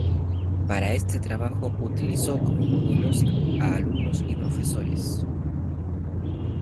Para este trabajo utilizó como modelos a alumnos y profesores.